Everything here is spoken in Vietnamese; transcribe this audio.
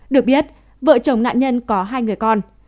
được biết vợ chồng nạn nhân có hai người con